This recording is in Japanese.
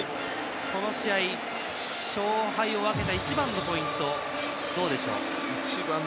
この試合、勝敗を分けた一番のポイントはどうですか。